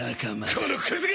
このクズが！